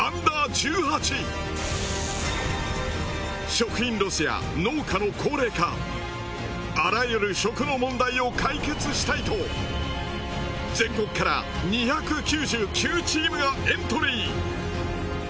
食品ロスや農家の高齢化あらゆる食の問題を解決したいと全国から２９９チームがエントリー。